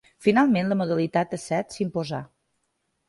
Finalment la modalitat a set s'imposà.